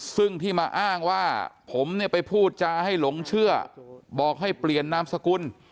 ซึ่งที่มาอ้างว่าผมเนี่ยไปพูดจาให้หลงเชื่อบอกให้เปลี่ยนนามสกุล